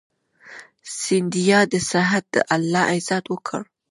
سیندیا د سعد الله عزت وکړ.